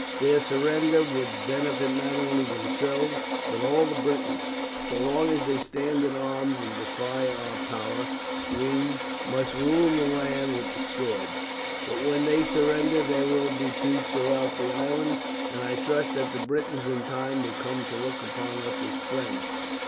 Their surrender would benefit not only themselves but all the Britons. So long as they stand in arms and defy our power we must rule the land with the sword, but when they surrender there will be peace throughout the island, and I trust that the Britons in time will come to look upon us as friends."